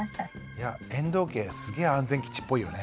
いや遠藤家すげえ安全基地っぽいよね。